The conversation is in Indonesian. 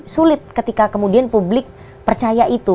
sulit ketika kemudian publik percaya itu